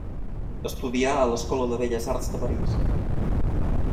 Estudià a l'Escola de Belles Arts de París.